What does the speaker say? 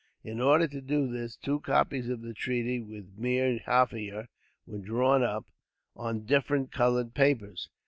In order to do this, two copies of the treaty with Meer Jaffier were drawn up, on different coloured papers.